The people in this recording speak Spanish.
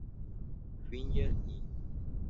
Fingers Inc.